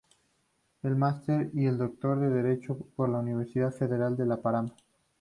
Es máster y doctor en Derecho por la Universidad Federal de Paraná.